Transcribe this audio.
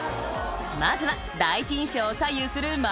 ［まずは第一印象を左右する］